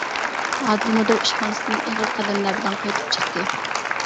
ئادىل مۇدىر ئىشخانىسىدىن ئېغىر قەدەملەر بىلەن قايتىپ چىقتى.